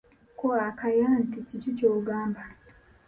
Ko Akaya nti kiki kyogamba?